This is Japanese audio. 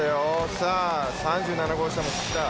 さぁ３７号車も来た。